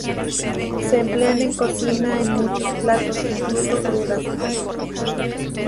Se emplean en cocina en muchos platos, incluso crudas.